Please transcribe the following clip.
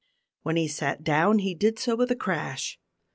When he sat down he did so with a crash.